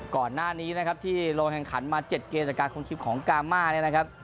ก่อนหน้านี้นะครับที่ลงแข่งขันมา๗เกมจากการคุมชิมของกามาเนี่ยนะครับ